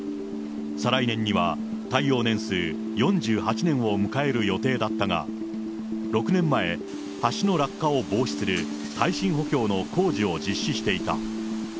再来年には耐用年数４８年を迎える予定だったが、６年前、橋の落下を防止する耐震補強の工事を実施していた。